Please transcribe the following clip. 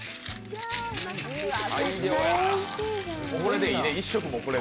大量やな。